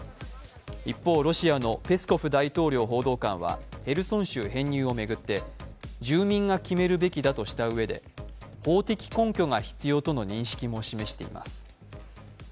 一方、ロシアのペスコフ大統領報道官はヘルソン州編入を巡って住民が決めるべきだとしたうえで法的根拠が必要との認識も示しています。